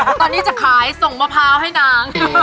ตอนนี้จะขายส่งมะพร้าวให้นาง